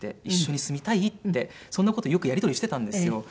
「一緒に住みたい」ってそんな事をよくやり取りしてたんですよ。